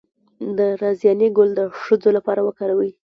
د رازیانې ګل د ښځو لپاره وکاروئ